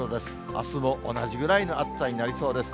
あすも同じぐらいの暑さになりそうです。